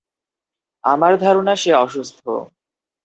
আমার ধারণা সে অসুস্থ।